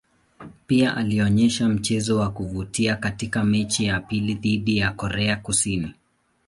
Pia alionyesha mchezo wa kuvutia katika mechi ya pili dhidi ya Korea Kusini.